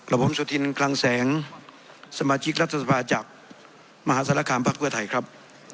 ผมสุธินคลังแสงสมาชิกรัฐสภาจากมหาศาลคามภักดิ์เพื่อไทยครับ